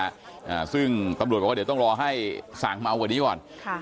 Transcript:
อ่าซึ่งตำรวจบอกว่าเดี๋ยวต้องรอให้สั่งเมากว่านี้ก่อนค่ะ